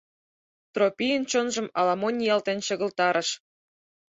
— Тропийын чонжым ала-мо ниялтен чыгылтарыш.